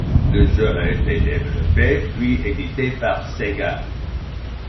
Le jeu a été développé puis édité par Sega.